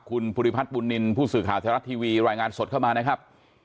คุณภูริพัฒนบุญนินทร์ผู้สื่อข่าวไทยรัฐทีวีรายงานสดเข้ามานะครับ